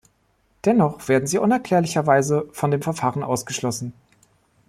Dennoch werden sie unerklärlicherweise von dem Verfahren ausgeschlossen.